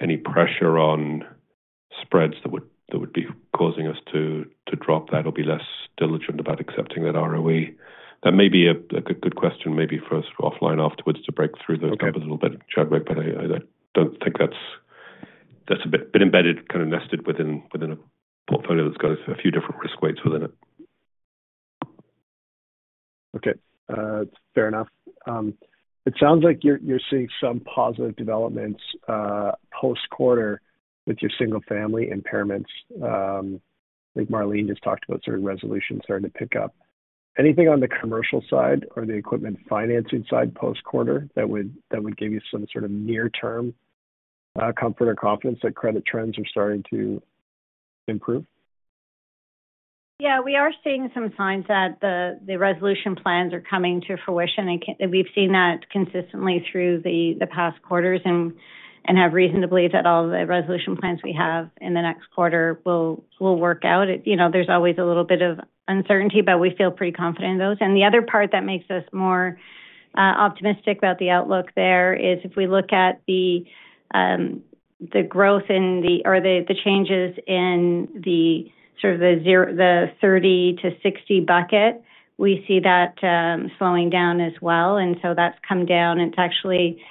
any pressure on spreads that would be causing us to drop that or be less diligent about accepting that ROE. That may be a good question maybe for us offline afterwards to break through the company a little bit, Chadwick, but I don't think that's a bit embedded, kind of nested within a portfolio that's got a few different risk weights within it. Okay. Fair enough. It sounds like you're seeing some positive developments post-quarter with your single-family impairments. I think Marlene just talked about sort of resolution starting to pick up. Anything on the commercial side or the equipment financing side post-quarter that would give you some sort of near-term comfort or confidence that credit trends are starting to improve? Yeah. We are seeing some signs that the resolution plans are coming to fruition. We've seen that consistently through the past quarters and have reason to believe that all the resolution plans we have in the next quarter will work out. There's always a little bit of uncertainty, but we feel pretty confident in those. The other part that makes us more optimistic about the outlook there is if we look at the growth in the or the changes in the sort of the 30-60 bucket, we see that slowing down as well. So that's come down. And it's actually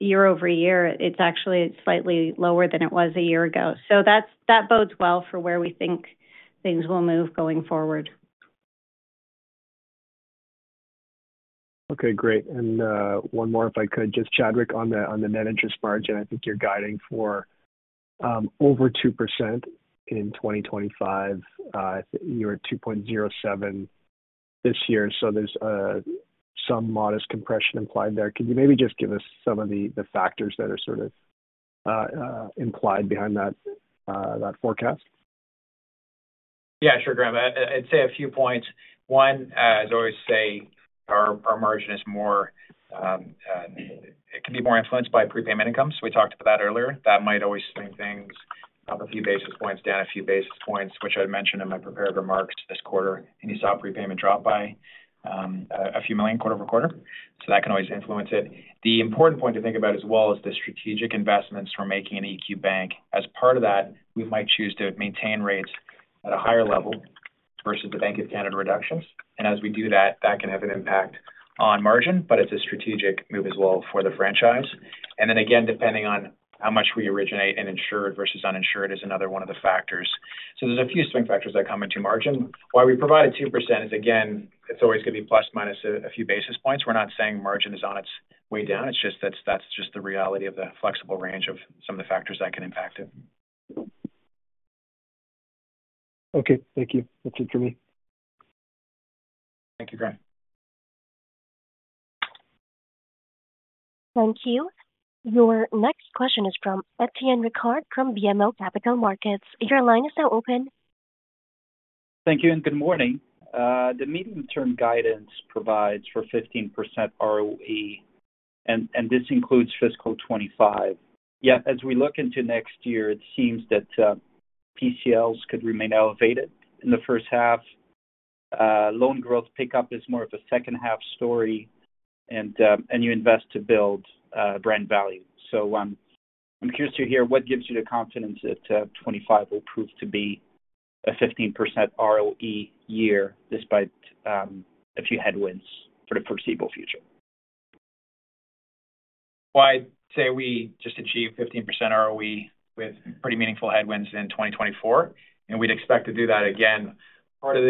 year over year. It's actually slightly lower than it was a year ago. So that bodes well for where we think things will move going forward. Okay. Great. And one more, if I could, just Chadwick on the net interest margin. I think you're guiding for over 2% in 2025. You were at 2.07 this year. So there's some modest compression implied there. Can you maybe just give us some of the factors that are sort of implied behind that forecast? Yeah. Sure, Graham. I'd say a few points. One, as I always say, our margin is more. It can be more influenced by prepayment income. So we talked about that earlier. That might always swing things up a few basis points, down a few basis points, which I'd mentioned in my prepared remarks this quarter. And you saw prepayment drop by a few million quarter over quarter. So that can always influence it. The important point to think about as well is the strategic investments we're making in EQ Bank. As part of that, we might choose to maintain rates at a higher level versus the Bank of Canada reductions. And as we do that, that can have an impact on margin, but it's a strategic move as well for the franchise. And then again, depending on how much we originate in insured versus uninsured is another one of the factors. So there's a few swing factors that come into margin. Why we provide a 2% is, again, it's always going to be plus minus a few basis points. We're not saying margin is on its way down. It's just, that's just the reality of the flexible range of some of the factors that can impact it. Okay. Thank you. That's it for me. Thank you, Graham. Thank you. Your next question is from Etienne Ricard from BMO Capital Markets. Your line is now open. Thank you. And good morning. The medium-term guidance provides for 15% ROE, and this includes fiscal 2025. Yet, as we look into next year, it seems that PCLs could remain elevated in the first half. Loan growth pickup is more of a second-half story, and you invest to build brand value. So I'm curious to hear what gives you the confidence that 2025 will prove to be a 15% ROE year despite a few headwinds for the foreseeable future. Well, I'd say we just achieved 15% ROE with pretty meaningful headwinds in 2024, and we'd expect to do that again. Part of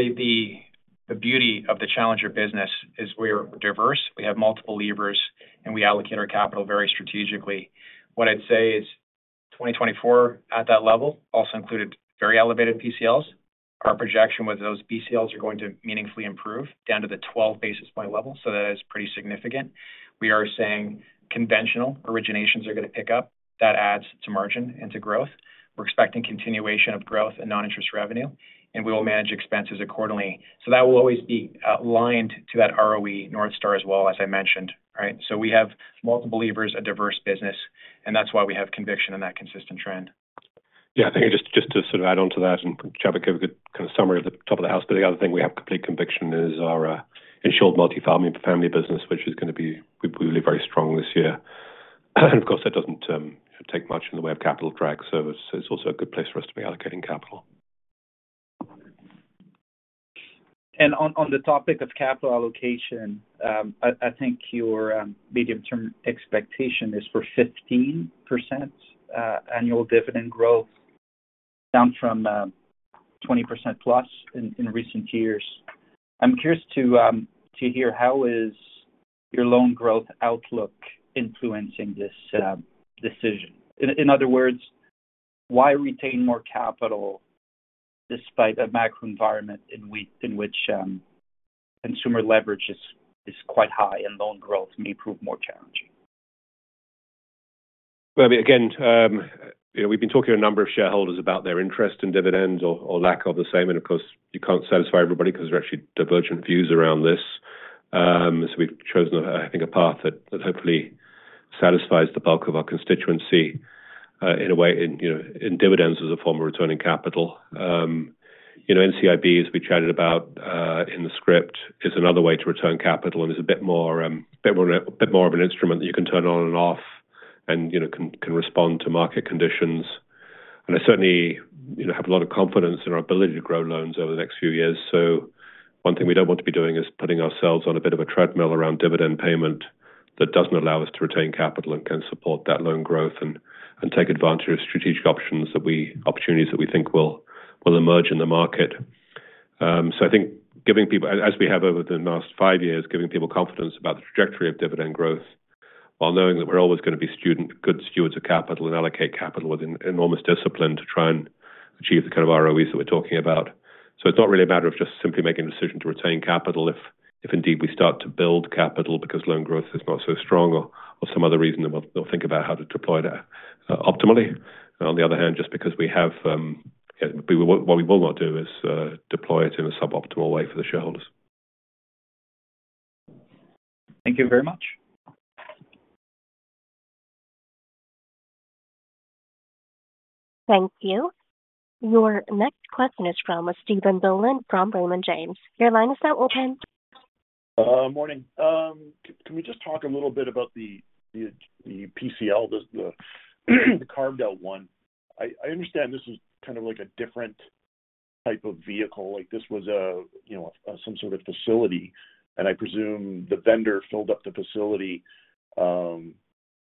the beauty of the Challenger business is we're diverse. We have multiple levers, and we allocate our capital very strategically. What I'd say is 2024 at that level also included very elevated PCLs. Our projection was those PCLs are going to meaningfully improve down to the 12 basis points level. So that is pretty significant. We are saying conventional originations are going to pick up. That adds to margin and to growth. We're expecting continuation of growth and non-interest revenue, and we will manage expenses accordingly. So that will always be aligned to that ROE North Star as well, as I mentioned. Right? So we have multiple levers, a diverse business, and that's why we have conviction in that consistent trend. Yeah. I think just to sort of add on to that, and Chadwick gave a good kind of summary at the top of the house, but the other thing we have complete conviction is our insured multi-family business, which is going to be, we believe, very strong this year. And of course, that doesn't take much in the way of capital drag. So it's also a good place for us to be allocating capital. And on the topic of capital allocation, I think your medium-term expectation is for 15% annual dividend growth down from 20% plus in recent years. I'm curious to hear how your loan growth outlook is influencing this decision. In other words, why retain more capital despite a macro environment in which consumer leverage is quite high and loan growth may prove more challenging? I mean, again, we've been talking to a number of shareholders about their interest in dividends or lack of the same. Of course, you can't satisfy everybody because there are actually divergent views around this. We've chosen, I think, a path that hopefully satisfies the bulk of our constituency in a way in dividends as a form of returning capital. NCIB, as we chatted about in the script, is another way to return capital and is a bit more of an instrument that you can turn on and off and can respond to market conditions. I certainly have a lot of confidence in our ability to grow loans over the next few years. So, one thing we don't want to be doing is putting ourselves on a bit of a treadmill around dividend payment that doesn't allow us to retain capital and can support that loan growth and take advantage of strategic options that we opportunities that we think will emerge in the market. So, I think giving people, as we have over the last five years, giving people confidence about the trajectory of dividend growth while knowing that we're always going to be good stewards of capital and allocate capital with enormous discipline to try and achieve the kind of ROEs that we're talking about. So, it's not really a matter of just simply making a decision to retain capital if indeed we start to build capital because loan growth is not so strong or some other reason. We'll think about how to deploy it optimally. On the other hand, just because we have what we will not do is deploy it in a suboptimal way for the shareholders. Thank you very much. Thank you. Your next question is from Stephen Boland from Raymond James. Your line is now open. Morning. Can we just talk a little bit about the PCL, the carve-out one? I understand this is kind of like a different type of vehicle. This was some sort of facility, and I presume the vendor filled up the facility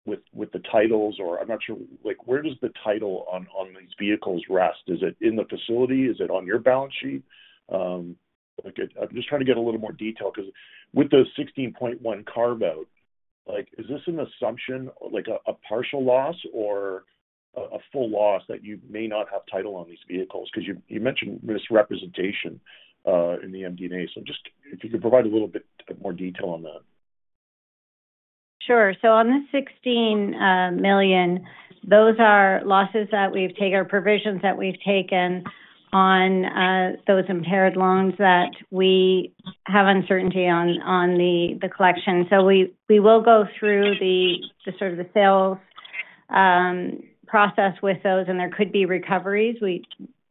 with the titles or I'm not sure. Where does the title on these vehicles rest? Is it in the facility? Is it on your balance sheet? I'm just trying to get a little more detail because with the 16.1 carve-out, is this an assumption, a partial loss or a full loss that you may not have title on these vehicles? Because you mentioned misrepresentation in the MD&A, so just if you could provide a little bit more detail on that. Sure. So on the 16 million, those are losses that we've taken or provisions that we've taken on those impaired loans that we have uncertainty on the collection. So we will go through the sort of the sales process with those, and there could be recoveries.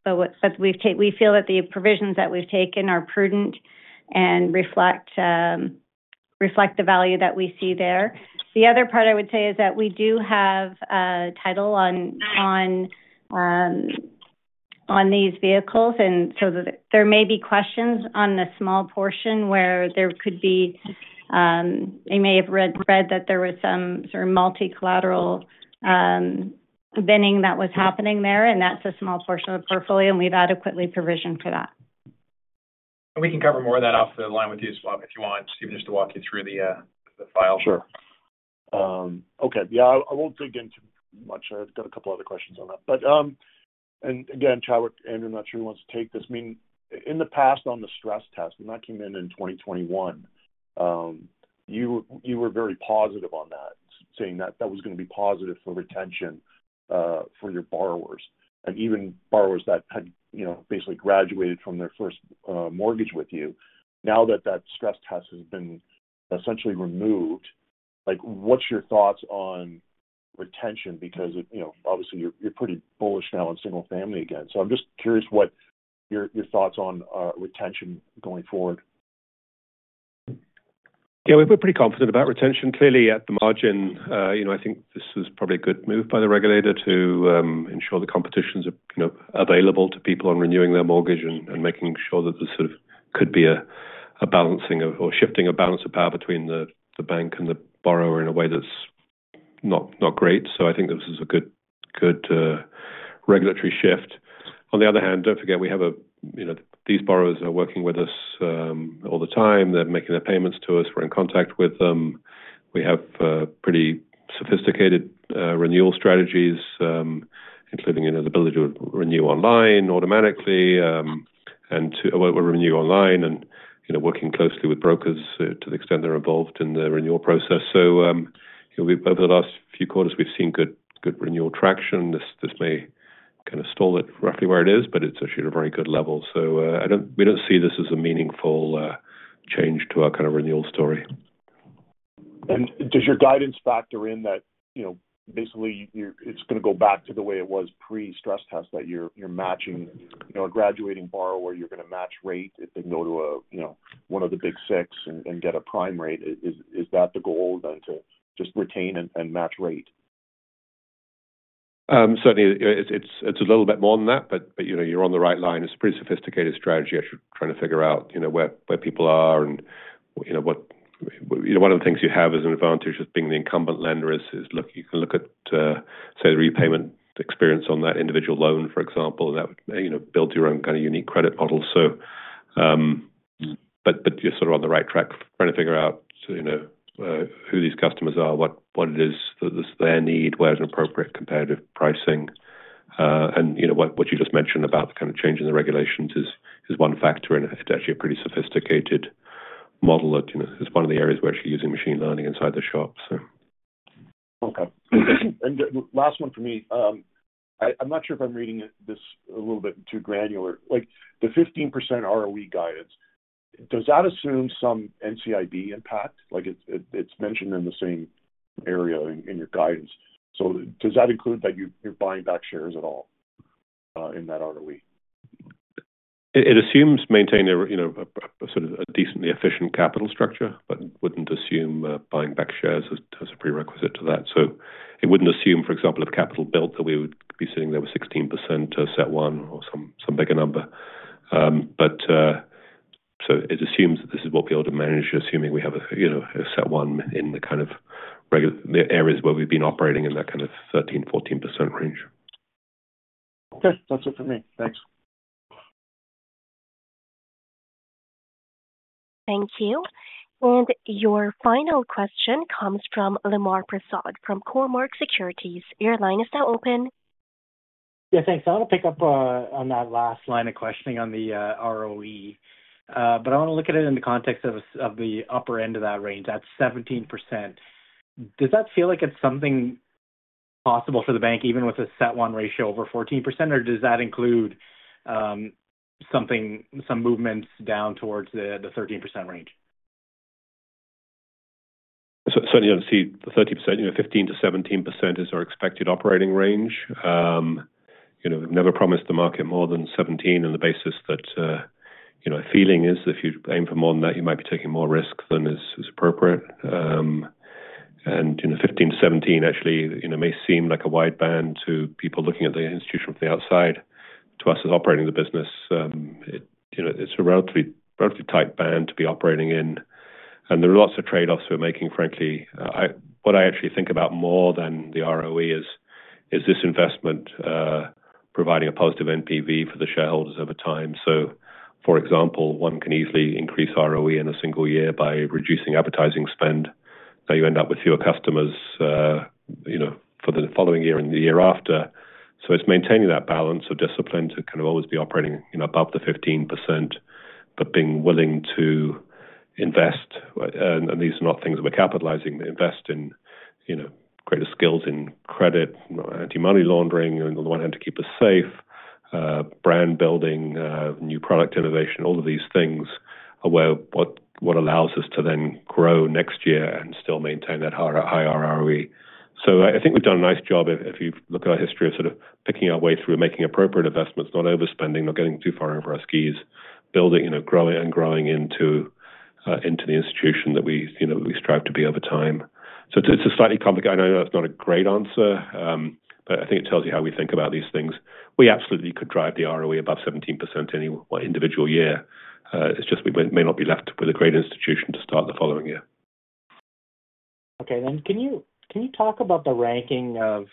But we feel that the provisions that we've taken are prudent and reflect the value that we see there. The other part I would say is that we do have title on these vehicles. And so there may be questions on the small portion where there could be, you may have read that there was some sort of multi-collateral liening that was happening there, and that's a small portion of the portfolio, and we've adequately provisioned for that. And we can cover more of that off the line with you as well if you want, Stephen, just to walk you through the file. Sure. Okay. Yeah. I won't dig into much. I've got a couple of other questions on that. But again, Chadwick, Andrew, I'm not sure who wants to take this. I mean, in the past on the stress test, and that came in in 2021, you were very positive on that, saying that that was going to be positive for retention for your borrowers. And even borrowers that had basically graduated from their first mortgage with you, now that that stress test has been essentially removed, what's your thoughts on retention? Because obviously, you're pretty bullish now on single-family again. So I'm just curious what your thoughts on retention going forward. Yeah. We're pretty confident about retention. Clearly, at the margin, I think this was probably a good move by the regulator to ensure the competition is available to people on renewing their mortgage and making sure that this sort of could be a balancing or shifting a balance of power between the bank and the borrower in a way that's not great. So I think this is a good regulatory shift. On the other hand, don't forget, we have these borrowers who are working with us all the time. They're making their payments to us. We're in contact with them. We have pretty sophisticated renewal strategies, including the ability to renew online automatically and to renew online and working closely with brokers to the extent they're involved in the renewal process. So over the last few quarters, we've seen good renewal traction. This may kind of stall it roughly where it is, but it's actually at a very good level. So we don't see this as a meaningful change to our kind of renewal story. And does your guidance factor in that basically it's going to go back to the way it was pre-stress test that you're matching a graduating borrower, you're going to match rate if they can go to one of the Big Six and get a prime rate? Is that the goal then to just retain and match rate? Certainly, it's a little bit more than that, but you're on the right line. It's a pretty sophisticated strategy. I'm trying to figure out where people are and what one of the things you have as an advantage of being the incumbent lender is you can look at, say, the repayment experience on that individual loan, for example, and that builds your own kind of unique credit model. But you're sort of on the right track trying to figure out who these customers are, what it is that's their need, where there's an appropriate competitive pricing. And what you just mentioned about the kind of change in the regulations is one factor, and it's actually a pretty sophisticated model that is one of the areas where it's using machine learning inside the shop, so. Okay. And last one for me. I'm not sure if I'm reading this a little bit too granular. The 15% ROE guidance, does that assume some NCIB impact? It's mentioned in the same area in your guidance. So does that include that you're buying back shares at all in that ROE? It assumes maintaining a sort of decently efficient capital structure, but wouldn't assume buying back shares as a prerequisite to that. So it wouldn't assume, for example, if capital built that we would be sitting there with 16% CET1 or some bigger number. But so it assumes that this is what we're able to manage, assuming we have a CET1 in the kind of areas where we've been operating in that kind of 13%-14% range. Okay. That's it for me. Thanks. Thank you. And your final question comes from Lemar Persaud from Cormark Securities. Your line is now open. Yeah. Thanks. I want to pick up on that last line of questioning on the ROE, but I want to look at it in the context of the upper end of that range at 17%. Does that feel like it's something possible for the bank even with a CET1 ratio over 14%, or does that include some movements down towards the 13% range? Certainly, I see the 13%-17% is our expected operating range. We've never promised the market more than 17% on the basis that a feeling is if you aim for more than that, you might be taking more risk than is appropriate. And 15%-17% actually may seem like a wide band to people looking at the institution from the outside. To us, it's operating the business. It's a relatively tight band to be operating in, and there are lots of trade-offs we're making, frankly. What I actually think about more than the ROE is this investment providing a positive NPV for the shareholders over time. so, for example, one can easily increase ROE in a single year by reducing advertising spend. Now, you end up with fewer customers for the following year and the year after. so it's maintaining that balance of discipline to kind of always be operating above the 15%, but being willing to invest. and these are not things that we're capitalizing. They invest in greater skills in credit, anti-money laundering, on the one hand to keep us safe, brand building, new product innovation, all of these things are what allows us to then grow next year and still maintain that high ROE. So I think we've done a nice job if you look at our history of sort of picking our way through and making appropriate investments, not overspending, not getting too far over our skis, growing and growing into the institution that we strive to be over time. So it's a slightly complicated, I know that's not a great answer, but I think it tells you how we think about these things. We absolutely could drive the ROE above 17% any individual year. It's just we may not be left with a great institution to start the following year. Okay. Then can you talk about the ranking of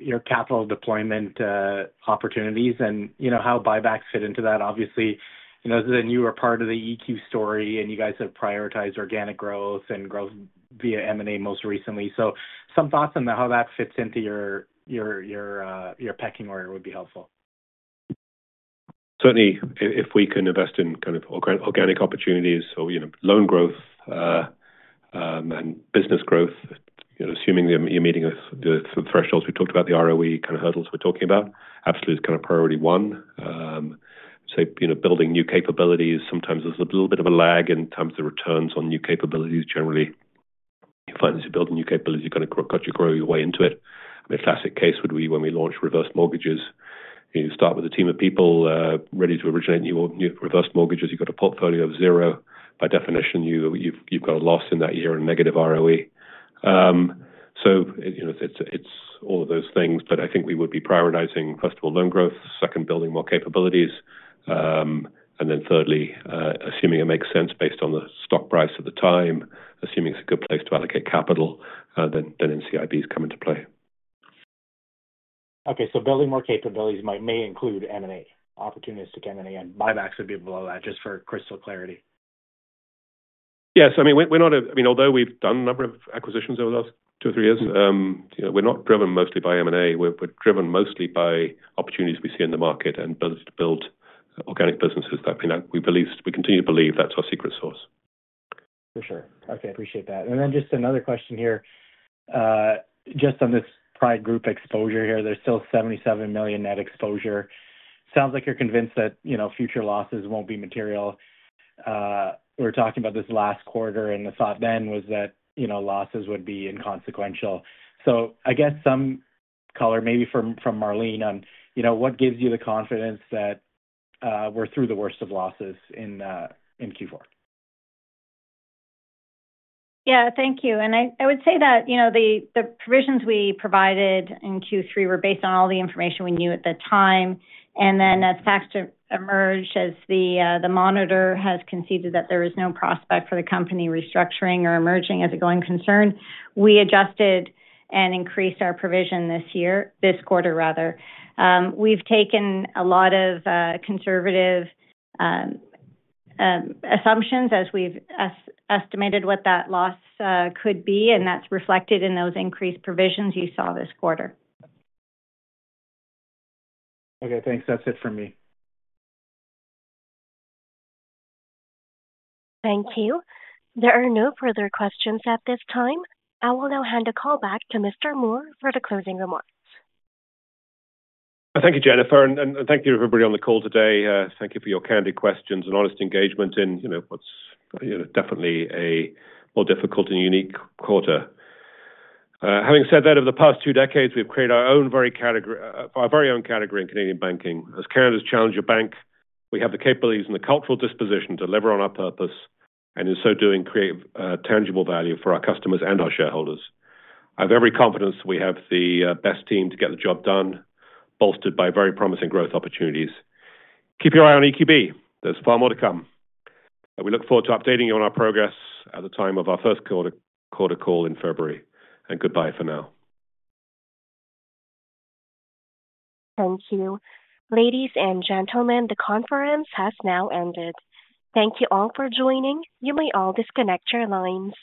your capital deployment opportunities and how buybacks fit into that? Obviously, as I know, you were part of the EQ story, and you guys have prioritized organic growth and growth via M&A most recently. So some thoughts on how that fits into your pecking order would be helpful. Certainly, if we can invest in kind of organic opportunities or loan growth and business growth, assuming you're meeting the thresholds we've talked about, the ROE kind of hurdles we're talking about, absolutely is kind of priority one. So building new capabilities, sometimes there's a little bit of a lag in terms of returns on new capabilities. Generally, you find as you build new capabilities, you've got to grow your way into it. A classic case would be when we launch reverse mortgages. You start with a team of people ready to originate new reverse mortgages. You've got a portfolio of zero. By definition, you've got a loss in that year and negative ROE. So it's all of those things. But I think we would be prioritizing, first of all, loan growth, second, building more capabilities, and then thirdly, assuming it makes sense based on the stock price at the time, assuming it's a good place to allocate capital, then NCIBs come into play. Okay. So building more capabilities may include M&A, opportunistic M&A, and buybacks would be below that, just for crystal clarity. Yes. I mean, we're not a—I mean, although we've done a number of acquisitions over the last two or three years, we're not driven mostly by M&A. We're driven mostly by opportunities we see in the market and build organic businesses. We continue to believe that's our secret sauce. For sure. Okay. I appreciate that. And then just another question here. Just on this Pride Group exposure here, there's still 77 million net exposure. Sounds like you're convinced that future losses won't be material. We were talking about this last quarter, and the thought then was that losses would be inconsequential. So I guess some color, maybe from Marlene, on what gives you the confidence that we're through the worst of losses in Q4? Yeah. Thank you. And I would say that the provisions we provided in Q3 were based on all the information we knew at the time. And then as facts emerged, as the monitor has conceded that there is no prospect for the company restructuring or emerging as a going concern, we adjusted and increased our provision this year, this quarter rather. We've taken a lot of conservative assumptions as we've estimated what that loss could be, and that's reflected in those increased provisions you saw this quarter. Okay. Thanks. That's it for me. Thank you. There are no further questions at this time. I will now hand the call back to Mr. Moor for the closing remarks. Thank you, Jennifer. And thank you to everybody on the call today. Thank you for your candid questions and honest engagement in what's definitely a more difficult and unique quarter. Having said that, over the past two decades, we've created our own very category in Canadian banking. As Canada's Challenger Bank, we have the capabilities and the cultural disposition to deliver on our purpose and, in so doing, create tangible value for our customers and our shareholders. I have every confidence we have the best team to get the job done, bolstered by very promising growth opportunities. Keep your eye on EQB. There's far more to come. We look forward to updating you on our progress at the time of our first quarter call in February. And goodbye for now. Thank you. Ladies and gentlemen, the conference has now ended. Thank you all for joining. You may all disconnect your lines.